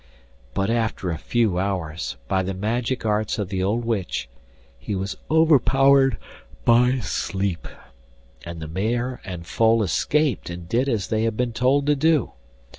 But after a few hours, by the magic arts of the old witch, he was overpowered by sleep, and the mare and foal escaped and did as they had been told to do.